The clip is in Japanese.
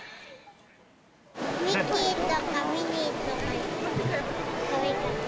ミッキーとかミニーとかいた。